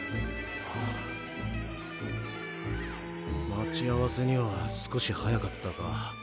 待ち合わせには少し早かったか。